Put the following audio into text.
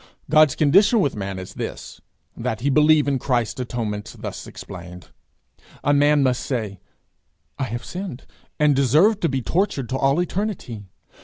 God's condition with man is, that he believe in Christ's atonement thus explained. A man must say, 'I have sinned, and deserve to be tortured to all eternity.